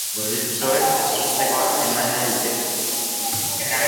Gorritxoek ezustekoa eman nahi dute.